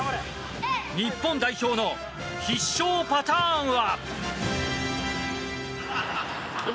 日本代表の必勝パターンは？